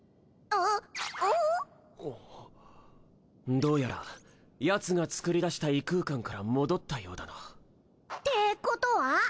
どうやらヤツが作り出した異空間から戻ったようだなってことは？